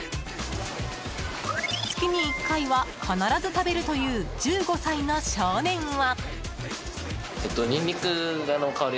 月に１回は必ず食べるという１５歳の少年は。